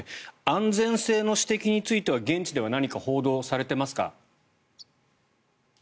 安全性の指摘については現地では何か報道されてますか。